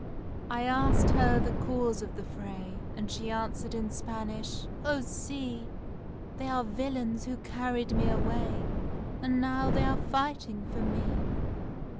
I asked her the cause of the fray, And she answered in Spanish: "Oh see! They are villains who carried me away, And now they are fighting for me."